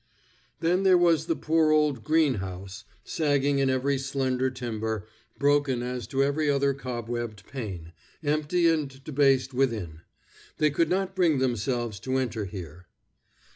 Then there was the poor old greenhouse, sagging in every slender timber, broken as to every other cobwebbed pane, empty and debased within; they could not bring themselves to enter here.